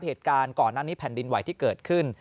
เหตุการณ์ก่อนหน้านี้แผ่นดินไหวที่เกิดขึ้น